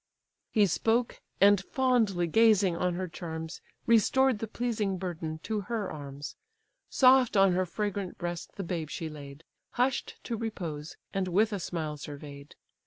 He spoke, and fondly gazing on her charms, Restored the pleasing burden to her arms; Soft on her fragrant breast the babe she laid, Hush'd to repose, and with a smile survey'd.